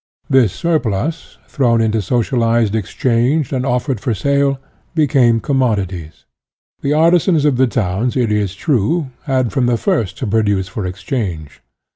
This surplus, thrown into socialized exchange and offered for sale, became commodities. The artisans of the towns, it is true, had from the first to produce for exchange.